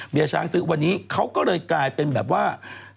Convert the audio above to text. ช้างซื้อวันนี้เขาก็เลยกลายเป็นแบบว่า